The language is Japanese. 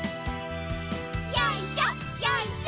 よいしょよいしょ。